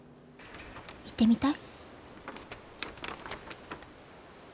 行ってみたい？